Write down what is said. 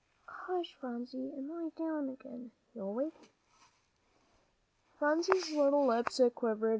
"Hush, Phronsie, and lie down again. You'll wake Mamsie." Phronsie's little lips quivered.